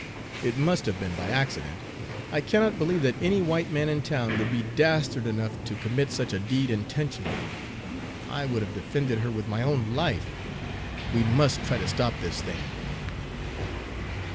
It must have been by accident, I cannot believe that any white man in town would be dastard enough to commit such a deed intentionally! I would have defended her with my own life! We must try to stop this thing!"